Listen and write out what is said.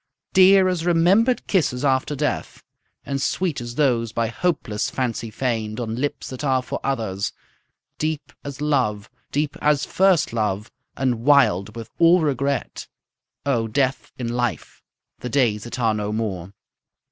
Dear as remember'd kisses after death, And sweet as those by hopeless fancy feign'd On lips that are for others; deep as love, Deep as first love, and wild with all regret; O Death in Life, the days that are no more.